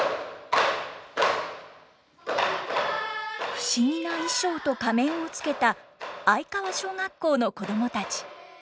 不思議な衣装と仮面をつけた相川小学校の子供たち。